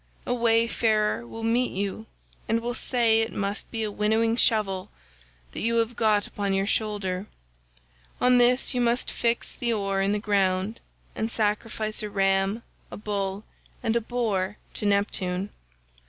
A wayfarer will meet you and will say it must be a winnowing shovel that you have got upon your shoulder; on this you must fix the oar in the ground and sacrifice a ram, a bull, and a boar to Neptune.